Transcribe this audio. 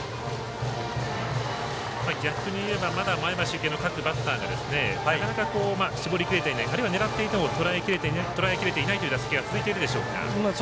逆に言えばまだ前橋育英の各バッターがなかなか、絞りきれていないあるいは狙っていてもとらえきれていないという打席が続いているでしょうか。